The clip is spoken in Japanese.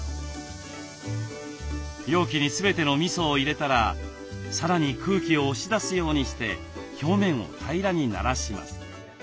容器に全てのみそを入れたらさらに空気を押し出すようにして表面を平らにならします。